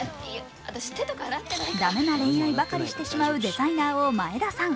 駄目な恋愛ばかりしてしまうデザイナーを前田さん。